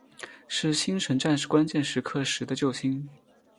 是星神战士关键时刻时的救星。